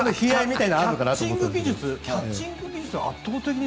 でも、キャッチング技術は圧倒的に